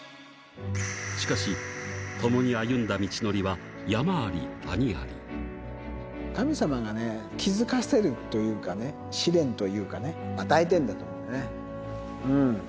しかし、共に歩んだ道のりは山あ神様がね、気付かせるというかね、試練というかね、与えてんだと思うね。